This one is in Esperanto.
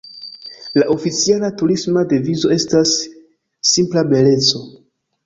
La oficiala turisma devizo estas "Simpla Beleco".